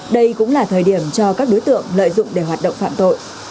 đây cũng là thời điểm cho các đối tượng lợi dụng để hoạt động phạm tội